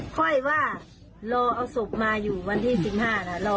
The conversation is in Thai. ค่อยว่ารอเอาศพมาอยู่วันที่๑๕แล้ว